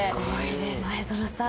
前園さん。